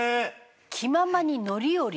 気ままに乗り降り？